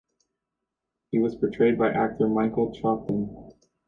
He was portrayed by actor Michael Troughton.